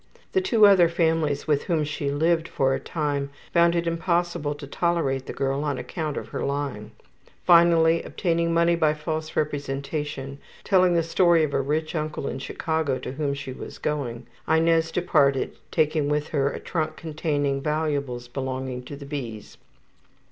The two other families with whom she lived for a time found it impossible to tolerate the girl on account of her lying. Finally, obtaining money by false representation, telling the story of a rich uncle in Chicago to whom she was going, Inez departed, taking with her a trunk containing valuables belonging to the B.'s.